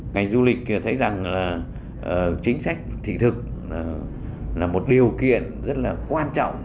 ngành du lịch thấy rằng chính sách thị thực là một điều kiện rất là quan trọng